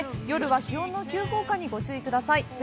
夜は気温の急降下にご注意ください。